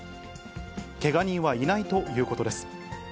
けが人はいないということです。